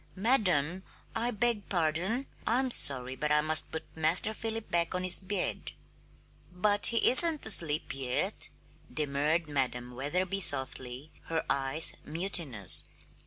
"Madam I beg pardon I'm sorry, but I must put Master Philip back on his bed." "But he isn't asleep yet," demurred Madam Wetherby softly, her eyes mutinous.